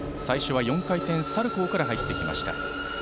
最初は４回転サルコーから入りました。